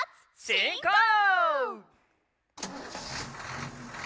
しんこう！